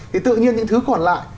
thì tự nhiên những thứ còn lại